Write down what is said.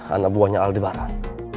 anak buahnya aldebaran